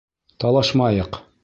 Талашмайыҡ.